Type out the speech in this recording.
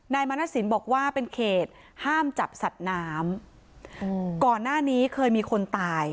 มณสินบอกว่าเป็นเขตห้ามจับสัตว์น้ำอืมก่อนหน้านี้เคยมีคนตาย